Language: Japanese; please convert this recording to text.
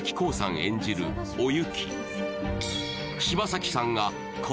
演じるお雪。